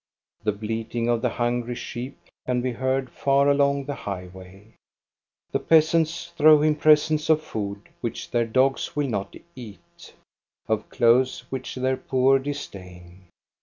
The bleating of the hungry sheep can be heard far along the highway. The peasants throw him presents of food which their dogs will not eat, of clothes which their poor disdain.